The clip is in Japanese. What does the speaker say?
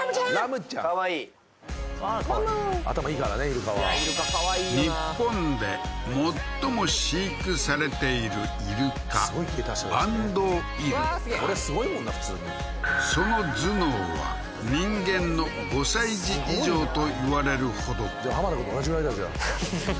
かわいい頭いいからねイルカはイルカかわいいよな日本で最も飼育されているイルカバンドウイルカこれすごいもんな普通にその頭脳は人間の５歳児以上といわれるほどじゃあ田君と同じぐらいだふふ